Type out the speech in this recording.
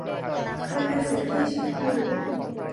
มันเป็นสิ่งที่ฉันพูด ?